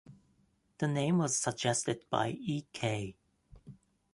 The name was suggested by E. K.